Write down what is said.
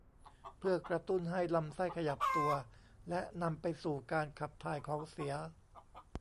เพื่อกระตุ้นให้ลำไส้ขยับตัวและนำไปสู่การขับถ่ายของเสีย